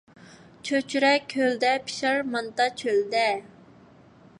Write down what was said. چۆچۈرە كۆلدە پىشار، مانتا چۆلدە